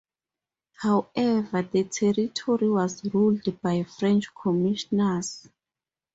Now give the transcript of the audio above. However, the territory was ruled by French commissioners.